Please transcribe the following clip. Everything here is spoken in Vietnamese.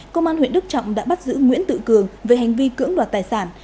công an huyện đức trọng đã bắt giữ nguyễn tự cường về hành vi cưỡng đoạt tài sản